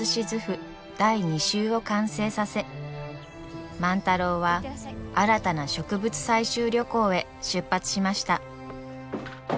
第２集を完成させ万太郎は新たな植物採集旅行へ出発しました。